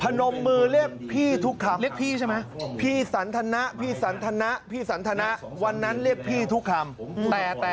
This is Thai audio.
พนมมือเรียกพี่ทุกคำพี่สันธนะพี่สันธนะพี่สันธนะวันนั้นเรียกพี่ทุกคำ